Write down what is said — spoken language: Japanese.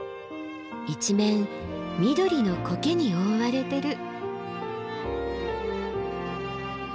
一面緑のコケに覆われてる。